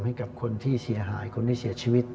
ให้กับคนที่เสียหายคนที่เสียชีวิต